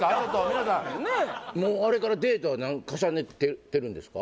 皆さんもうあれからデートは重ねてるんですか？